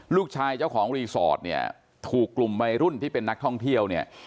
เจ้าของรีสอร์ทเนี่ยถูกกลุ่มวัยรุ่นที่เป็นนักท่องเที่ยวเนี่ย